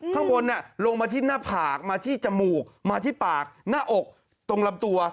ข้างบนลงมาที่หน้าผากมาที่จมูกมาที่ปากหน้าอกตรงลำตัว